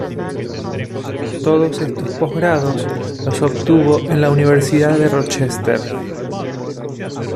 Todos estos postgrados los obtuvo en la Universidad de Rochester.